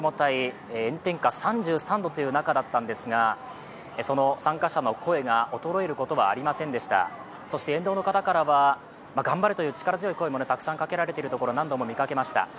３００人ほどのデモ隊、炎天下３３度ほどの中だったんですがその参加者の声が衰えることはありませんでした、そして沿道の方からは頑張れという力強い声をたくさんかけられているところを何度も見かけました。